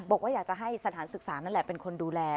บอกว่าอยากจะให้สถานศึกษานั่นแหละเป็นคนดูแล